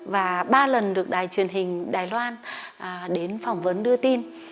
và ba lần được đài truyền hình đài loan đến phỏng vấn đưa tin